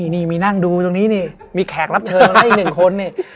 นี่มีนั่งดูตรงนี้นี่มีแขกรับเชิญให้๑คนนี่